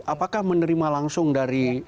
apakah menerima langsung dari